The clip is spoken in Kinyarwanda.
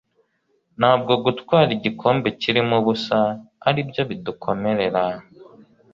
ntabwo gutwara igikombe kirimo ubusa ari byo bidukomerera